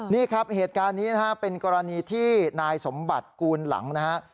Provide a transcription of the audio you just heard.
นี่ครับเหตุการณ์นี้นะฮะเป็นกรณีที่นายสมบัติกูลหลังนะฮะ